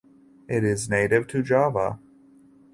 It is native to Java.